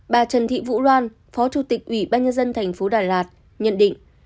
bà trần thị vũ loan phó chủ tịch ủy ban nhân dân tp đà lạt nhận định